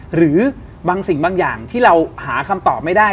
หรือบางสิ่งบางอย่างที่เราหาคำตอบไม่ได้